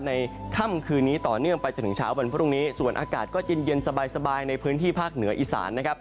ในค่ำคืนนี้ต่อเนื่องไปจนถึงเช้าวันพรุ่งนี้ส่วนอากาศก็เย็นเย็นสบายในพื้นที่ภาคเหนืออีสานนะครับ